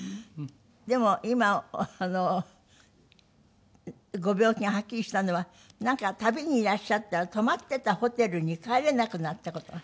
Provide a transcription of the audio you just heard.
でも今ご病気がはっきりしたのはなんか旅にいらっしゃったら泊まっていたホテルに帰れなくなった事が。